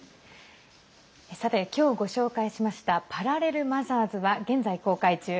さて、今日ご紹介しました「パラレル・マザーズ」は現在公開中。